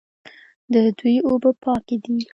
د دوی اوبه پاکې دي.